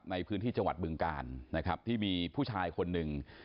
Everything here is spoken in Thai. ในพื้นที่จังหวัดบึงกาลนะครับที่มีผู้ชายคนหนึ่ง